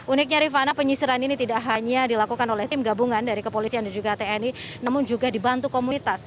uniknya rifana penyisiran ini tidak hanya dilakukan oleh tim gabungan dari kepolisian dan juga tni namun juga dibantu komunitas